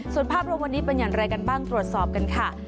ส่วนภาพรวมวันนี้เป็นอย่างไรกันบ้างตรวจสอบกันค่ะ